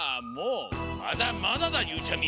まだまだだゆうちゃみ。